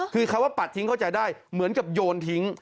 คือคำว่าปัดทิ้งเข้าใจได้เหมือนกับโยนทิ้ง